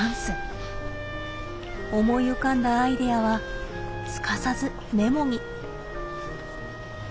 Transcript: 思い浮かんだアイデアはすかさずメモに。